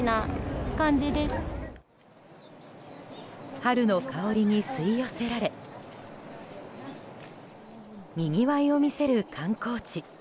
春の香りに吸い寄せられにぎわいを見せる観光地。